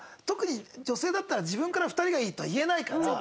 特に女性だったら自分から「２人がいい」とは言えないから。